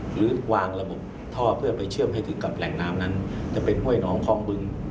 หรือวางระบบท่อเพื่อไปเชื่อมให้ถึงกับแหล่งน้ำนั้นจะเป็นห้วยน้องคอกบึง